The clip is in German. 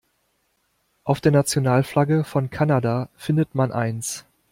Auf der Nationalflagge von Kanada findet man eins.